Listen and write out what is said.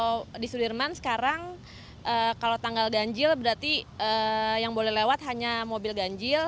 kalau di sudirman sekarang kalau tanggal ganjil berarti yang boleh lewat hanya mobil ganjil